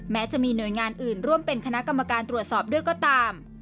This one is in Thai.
แม้จะมีหน่วยงานอื่นร่วมเป็นคณะกรรมการตรวจสอบด้วยก็ตาม